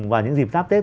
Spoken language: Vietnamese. vào những dịp giáp tết